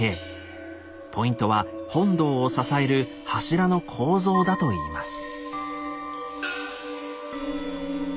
ポイントは本堂を支える「柱の構造」だといいます。